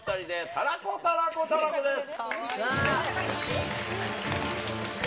たらこ・たらこ・たらこです。